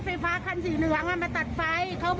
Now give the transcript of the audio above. น้ำมันรั่วมันรั่วลงมาจากอันนี้ค่ะ